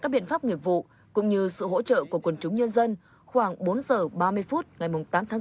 vào hỗ trợ của quần chúng nhân dân khoảng bốn h ba mươi phút ngày tám tháng bốn